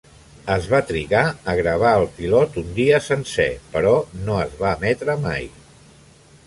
Es va trigar a gravar el pilot un dia sencer, però no es va emetre mai.